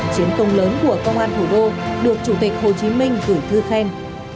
chiến công lớn của công an thủ đô được chủ tịch hồ chí minh gửi thư khen